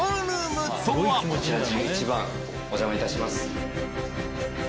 １１番お邪魔いたします。